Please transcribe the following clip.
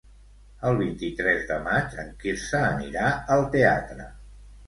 El vint-i-tres de maig en Quirze anirà al teatre.